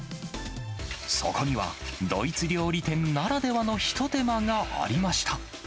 そこには、ドイツ料理店ならではの一手間がありました。